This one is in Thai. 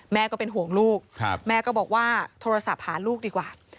ก็เป็นห่วงลูกแม่ก็บอกว่าโทรศัพท์หาลูกดีกว่า